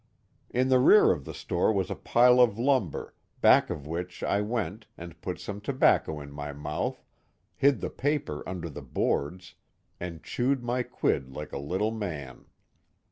In the rear of the store was a pile of lumber, back of which I went and put some tobacco in my mouth, hid the paper under the boards, and chewed my quid like a little man.